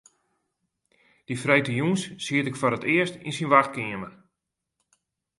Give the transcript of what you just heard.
Dy freedtejûns siet ik foar it earst yn syn wachtkeamer.